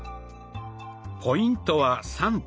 ポイントは３点。